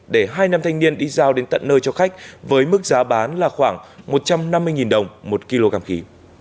để hai nam thanh niên đi giao đến tận nơi cho khách với mức giá bán là khoảng một trăm năm mươi đồng một kg càm khí